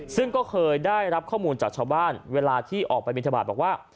ซึ่งก็เคยได้รับข้อมูลจากชาวบ้านเวลาที่ออกไปบินทบาทบอกว่า